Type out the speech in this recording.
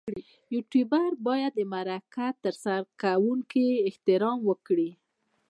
یوټوبر باید د مرکه ترسره کوونکي احترام وکړي.